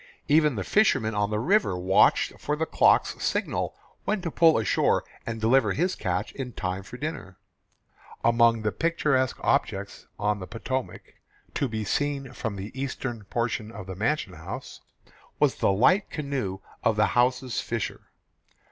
Even the fisherman on the river watched for the cook's signal when to pull in shore and deliver his catch in time for dinner. Among the picturesque objects on the Potomac, to be seen from the eastern portion of the mansion house, was the light canoe of the house's fisher.